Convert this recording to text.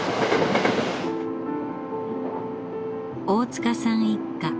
大塚さん一家。